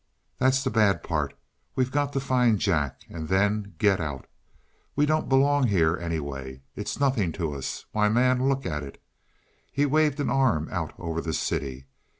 That's the bad part we've got to find Jack. And then get out; we don't belong here anyway. It's nothing to us why, man, look at it." He waved his arm out over the city.